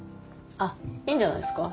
あいいんじゃないですか。